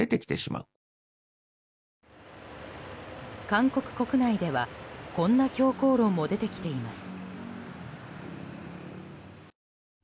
韓国国内ではこんな強硬論も出てきています。